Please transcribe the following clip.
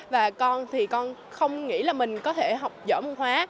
và con thì con không nghĩ là mình có thể học giỏi môn hóa